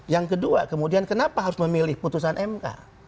yang kedua kemudian kenapa harus memilih putusan mk